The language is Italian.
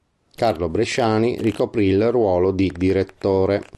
Carlo Bresciani ricoprì il ruolo di direttore.